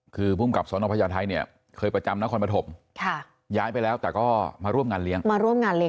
คือผู้อำกับสนองพญาไทยเนี่ยเคยประจำนครปฐมย้ายไปแล้วแต่ก็มาร่วมงานเลี้ยง